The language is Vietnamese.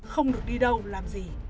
không được đi đâu làm gì